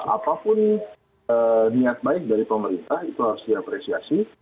apapun niat baik dari pemerintah itu harus diapresiasi